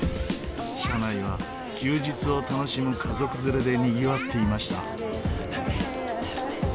車内は休日を楽しむ家族連れでにぎわっていました。